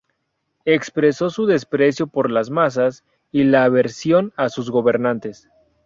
Expresó su desprecio por las masas y la aversión a sus gobernantes.